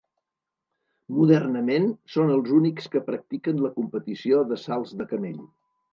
Modernament són els únics que practiquen la competició de salts de camell.